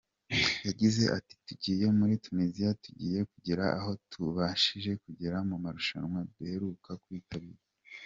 Yagize ati “Tugiye muri Tunisiya tugiye kugera aho tutabashije kugera mu marushanwa duheruka kwitabira.